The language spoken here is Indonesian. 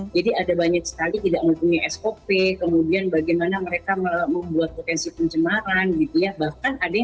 jadi ada banyak sekali tidak mempunyai sop kemudian bagaimana mereka membuat potensi pencemaran gitu ya